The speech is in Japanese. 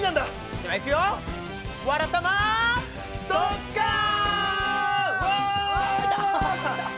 ではいくよ「わらたま」。「ドッカン」！